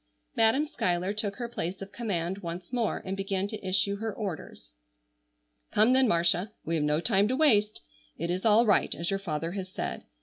Madam Schuyler took her place of command once more and began to issue her orders. "Come, then, Marcia, we have no time to waste. It is all right, as your father has said.